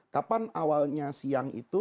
kapan awalnya siang itu